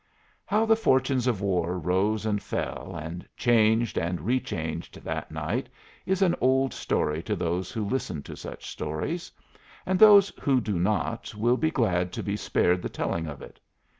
How the fortunes of war rose and fell, and changed and rechanged that night, is an old story to those who listen to such stories; and those who do not will be glad to be spared the telling of it.